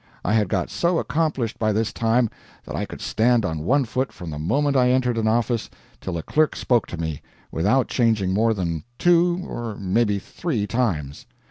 I had got so accomplished by this time that I could stand on one foot from the moment I entered an office till a clerk spoke to me, without changing more than two, or maybe three, times.